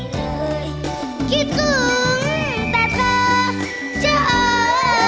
เลยคิดสึงแต่เธอเช่า